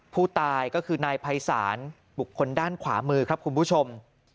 ผู้ตายก็คือนายภัยศาลบุคคลด้านขวามือครับคุณผู้ชม